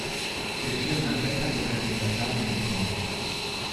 Perché un atleta dovrebbe viaggiare in economica